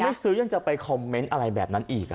ไม่ซื้อยังจะไปคอมเมนต์อะไรแบบนั้นอีก